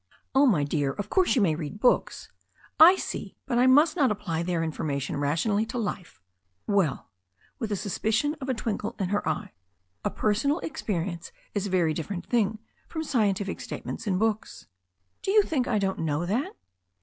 "Oh, my dear, of course you may read books " "I see, but I must not apply their information rationally to life !" "Well," with a suspicion of a twinkle in her eye, "a per sonal experience is a very different thing from scientific statements in books." "Do you think I don't know that?"